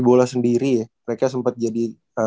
bola sendiri ya mereka sempat jadi